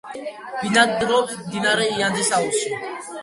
ბინადრობს მდინარე იანძის აუზში.